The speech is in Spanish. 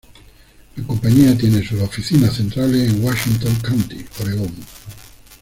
La compañía tiene sus oficinas centrales en Washington County, Oregón.